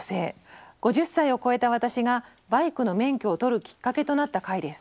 「５０歳を超えた私がバイクの免許を取るきっかけとなった回です」。